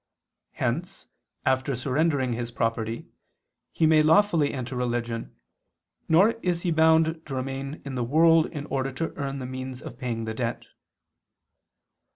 Hence, after surrendering his property, he may lawfully enter religion, nor is he bound to remain in the world in order to earn the means of paying the debt.